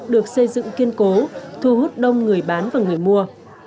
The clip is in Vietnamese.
được xây dựng kiên cố thu hút đông người bán và người mua